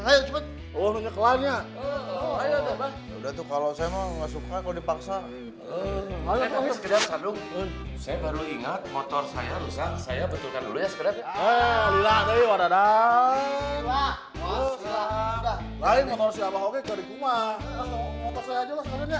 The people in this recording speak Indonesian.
cepet cepet oh udah kelahannya kalau saya nggak suka kalau dipaksa saya baru ingat motor saya